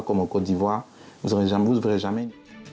อังกฤษการแด่วนี้น่าจะยอมต้องทำให้พูดเพื่อจำไม